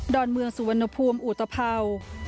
อนเมืองสุวรรณภูมิอุตภัวร์